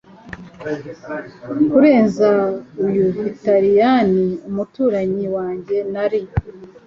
kurenza uyu Vitaliyani umuturanyi wanjye nari